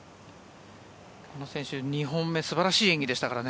この選手は２本目素晴らしい演技でしたからね。